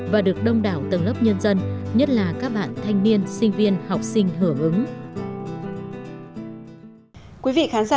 và được đông đảo tầng lớp nhân dân nhất là các bạn thanh niên sinh viên học sinh hưởng ứng